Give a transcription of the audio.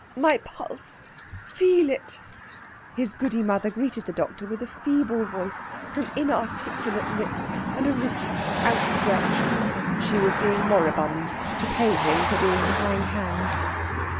"My pulse feel it!" His Goody mother greeted the doctor with a feeble voice from inarticulate lips, and a wrist outstretched. She was being moribund; to pay him out for being behindhand.